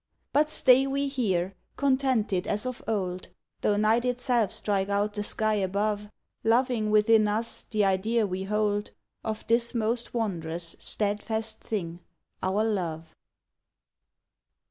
But stay we here, contented as of old, Though night itself strike out the sky above, Loving within us the idea we hold Of this most wondrous, steadfast thing, our love.